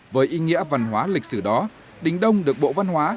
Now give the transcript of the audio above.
với ý nghĩa văn hóa lịch sử đó đình đông được bộ văn hóa